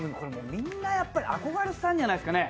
みんな憧れてたんじゃないですかね。